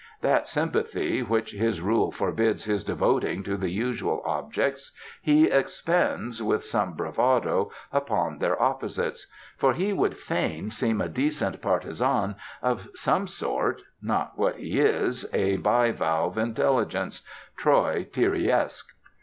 That sympathy which his rule forbids his devoting to the usual objects, he expends, with some bravado, upon their opposites; for he would fain seem a decent partizan of some sort, not what he is, a bivalve intelligence, Tros Tyriusque.